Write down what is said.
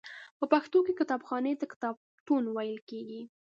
په پښتو کې کتابخانې ته کتابتون ویل کیږی.